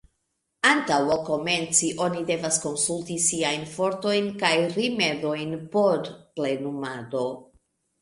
Antaŭ ol komenci, oni devas konsulti siajn fortojn kaj rimedojn por plenumado.